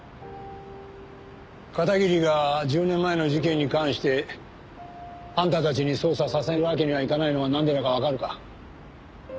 片桐が１０年前の事件に関してあんたたちに捜査させるわけにはいかないのはなんでだかわかるか？